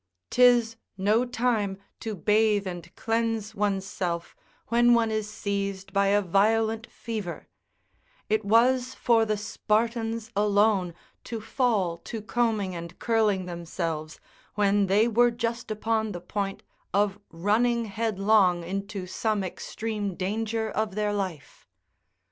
'Tis no time to bathe and cleanse one's self, when one is seized by a violent fever; it was for the Spartans alone to fall to combing and curling themselves, when they were just upon the point of running headlong into some extreme danger of their life.